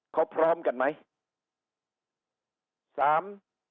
เขาพร้อมกันไหม